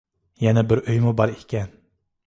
يەنە بىر ئۆيمۇ بار ئىكەن.